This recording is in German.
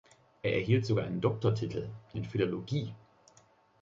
Er erhielt sogar einen Doktortitel in Philologie.